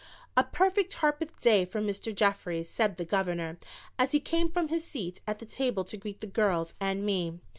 "A perfect Harpeth day for Mr. Jeffries," said the Governor, as he came from his seat at the table to greet the girls and me.